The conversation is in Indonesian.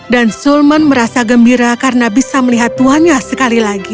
dan sulman merasa gembira karena bisa mencintai mereka